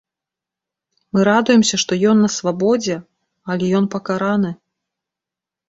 Мы радуемся, што ён на свабодзе, але ён пакараны.